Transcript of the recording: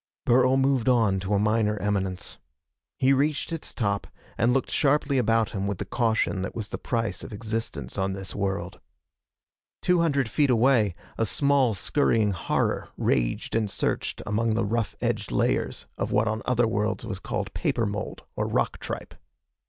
Burl moved on to a minor eminence. He reached its top and looked sharply about him with the caution that was the price of existence on this world. Two hundred feet away, a small scurrying horror raged and searched among the rough edged layers of what on other worlds was called paper mould or rock tripe.